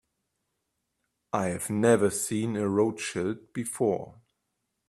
I have never seen a Rothschild before.